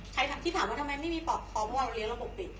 ใครที่ถามว่าทำไมไม่มีปลอบคล้องเพราะว่าเราเล่นระบบปิด